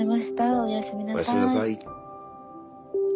おやすみなさい。